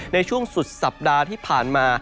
ในช่วงสุดสัปดาห์ที่ผ่านมา